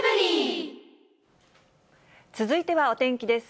続いてはお天気です。